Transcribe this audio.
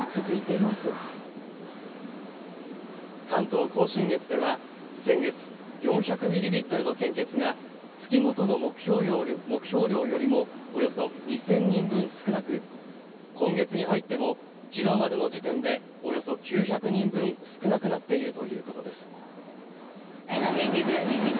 関東甲信越では先月、４００ミリリットルの献血が月ごとの目標量よりもおよそ２０００人分少なく今月に入ってもきのうまでの時点でおよそ９００人分少なくなっているということです。